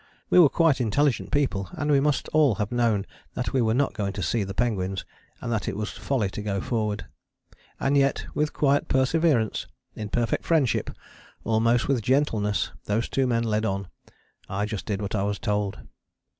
We were quite intelligent people, and we must all have known that we were not going to see the penguins and that it was folly to go forward. And yet with quiet perseverance, in perfect friendship, almost with gentleness those two men led on. I just did what I was told.